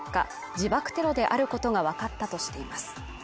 自爆テロであることが分かったとしています